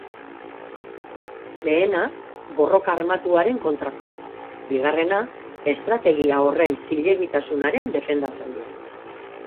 Lehena, borroka armatuaren kontrakoa; bigarrena, estrategia horren zilegitasunaren defendatzailea.